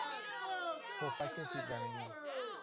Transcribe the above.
پفک سیب زمینی